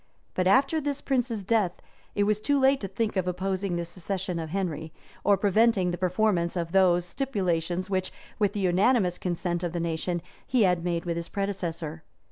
But after this prince's death, it was too late to think of opposing the succession of Henry, or preventing the performance of those stipulations which, with the unanimous consent of the nation, he had made with his predecessor.